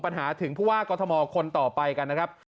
ปัญหาถึงผู้ว่ากรทมคนต่อไปกันนะครับ